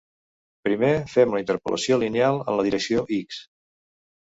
Primer, fem la interpolació lineal en la direcció "x".